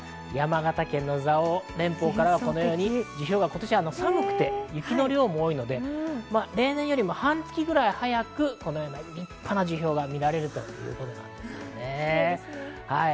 山形県の蔵王連峰からはこのように、樹氷が今年は寒くて雪の量も多いので例年よりも半月ぐらい早く、このような立派な樹氷が見られるということです。